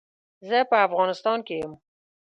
زه په افغانيستان کې يم.